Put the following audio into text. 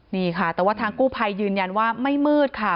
นี่ค่ะแต่ว่าทางกู้ภัยยืนยันว่าไม่มืดค่ะ